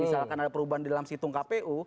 misalkan ada perubahan di dalam situng kpu